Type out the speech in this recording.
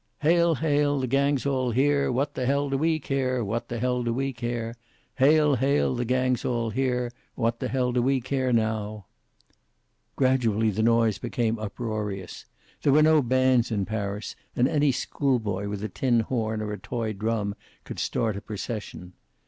"Hail, hail, the gang's all here, What the hell do we care? What the hell do we care? Hail, hail, the gang's all here, What the hell do we care now?" Gradually the noise became uproarious. There were no bands in Paris, and any school boy with a tin horn or a toy drum could start a procession.